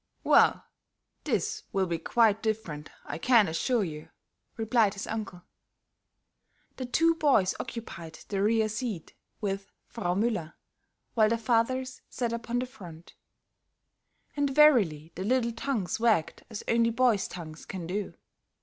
"Well, these will be quite different, I can assure you," replied his uncle. The two boys occupied the rear seat with Frau Müller, while the fathers sat upon the front. And verily the little tongues wagged as only boys' tongues can do.